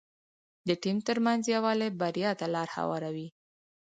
د ټيم ترمنځ یووالی بریا ته لاره هواروي.